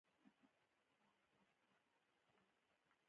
نصرت د ښوونځي لایق زده کوونکی دی